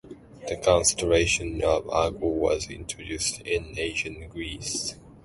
The constellation of Argo was introduced in ancient Greece.